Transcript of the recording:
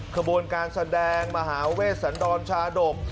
ขบวนการแสดงมหาเวชสันดรชาดก